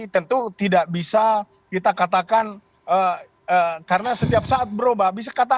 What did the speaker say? tentu tidak bisa kita katakan karena setiap saat berubah